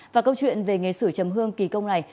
và câu chuyện về nghề sủi trầm hương kì công này